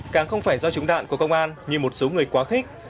càng không phải do chúng đạn của công an như một số người quá khích